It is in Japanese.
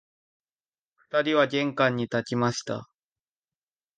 二人は玄関に立ちました